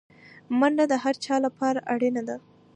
منډه د هر چا لپاره اړینه ده